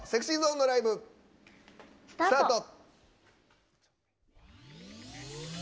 ＳｅｘｙＺｏｎｅのライブスタート！